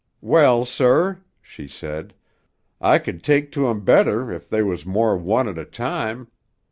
"Well, sir," she said, "I c'd take to 'em better if they was more one at a time.